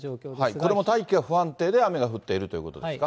これも大気が不安定で雨が降っているということですか。